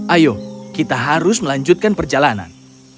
ayo kita harus melanjutkan perjalanan